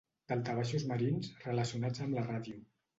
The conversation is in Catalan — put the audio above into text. Daltabaixos marins relacionats amb la ràdio.